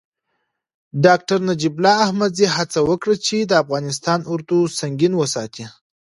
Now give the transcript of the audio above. ډاکتر نجیب الله احمدزي هڅه وکړه چې د افغانستان اردو سنګین وساتي.